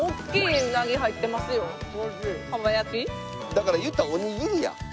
だから言ったらおにぎりや。